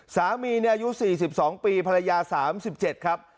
สามีอายุ๔๒ปีภรรยา๓๗ครับ